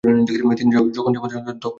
তিনি যখন যেমন দরকার, তেমন দিবেন।